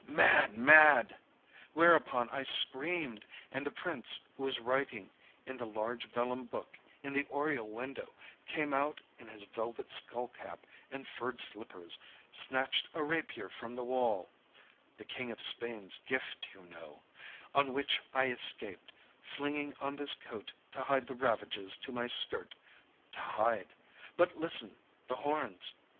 Mad! Mad!' Whereupon I screamed, and the Prince, who was writing in the large vellum book in the oriel window, came out in his velvet skull cap and furred slippers, snatched a rapier from the wall the King of Spain's gift, you know on which I escaped, flinging on this cloak to hide the ravages to my skirt to hide.... But listen! the horns!"